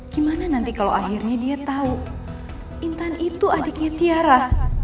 gimana nanti kalau akhirnya dia tahu intan itu adiknya tiara